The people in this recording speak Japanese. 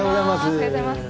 おはようございます。